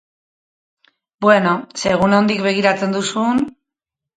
Bueno, segun nondik begiratzen duzun...